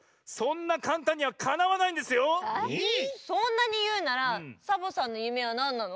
そんなにいうならサボさんの夢はなんなの？